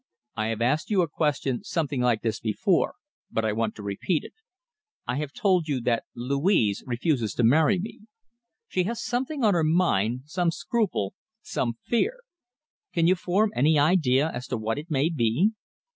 I have asked you a question something like this before, but I want to repeat it. I have told you that Louise refuses to marry me. She has something on her mind, some scruple, some fear. Can you form any idea as to what it may be?"